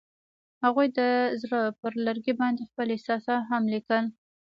هغوی د زړه پر لرګي باندې خپل احساسات هم لیکل.